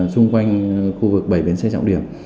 xung quanh khu vực bảy bến xe chạm điểm